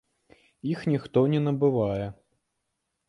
Іх ніхто не набывае.